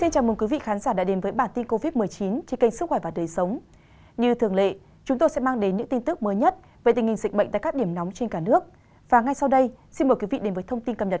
các bạn hãy đăng ký kênh để ủng hộ kênh của chúng mình nhé